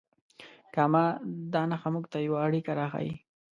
کامه دا نښه موږ ته یوه اړیکه راښیي.